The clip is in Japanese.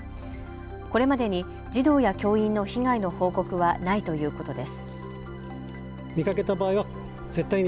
これまでに児童や教員の被害の報告はないということです。